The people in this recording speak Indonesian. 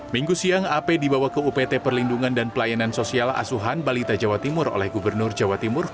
minggu siang ap dibawa ke upt perlindungan dan pelayanan sosial asuhan balita jawa timur oleh gubernur jawa timur